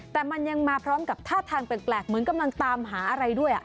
แต่มันยังมาพร้อมกับท่าทางแปลกเหมือนกำลังตามหาอะไรด้วย